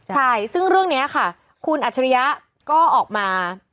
ใช่ซึ่งเรื่องนี้ค่ะคุณอัจฉริยะก็ออกมา